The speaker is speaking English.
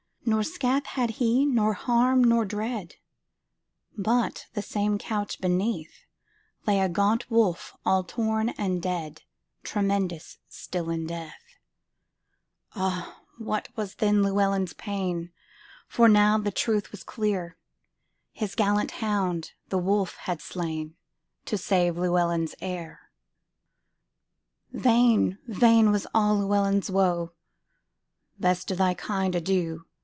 Nor scath had he, nor harm, nor dread, But, the same couch beneath, Lay a gaunt wolf, all torn and dead, Tremendous still in death. Ah, what was then Llewelyn's pain! For now the truth was clear; His gallant hound the wolf had slainTo save Llewelyn's heir:Vain, vain was all Llewelyn's woe;"Best of thy kind, adieu!